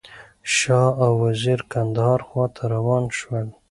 شاه او وزیر کندهار خواته روان شول.